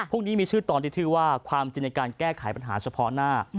พวกนี้มีชื่อตอนที่ถือว่าความจริงในการแก้ไขปัญหาเฉพาะหน้า